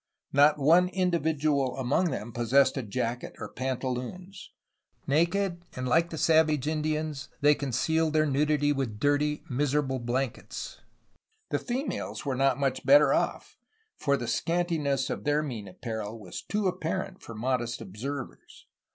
Not one individual among them possessed a jacket or pantaloons; but naked, and like the savage Indians, they concealed their nudity with dirty, miserable blankets. The females were not much better off; for the scantiness of their mean apparel was too apparent for modest observers.